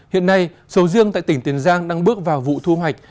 hiện nay sầu riêng tại tỉnh tiền giang đang bước vào vụ thu hoạch